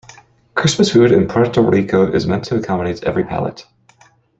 Christmas food in Puerto Rico is meant to accommodate every palate.